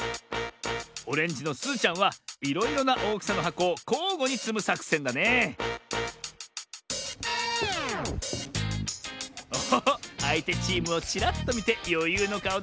オレンジのすずちゃんはいろいろなおおきさのはこをこうごにつむさくせんだねおおっあいてチームをチラッとみてよゆうのかおだ。